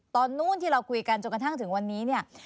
ตอนนู้นที่เราคุยกันจนกระทั่งถึงวันนี้เนี่ย